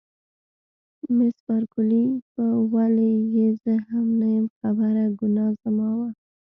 مس بارکلي: په ولې یې زه هم نه یم خبره، ګناه زما وه.